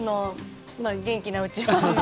元気なうちは。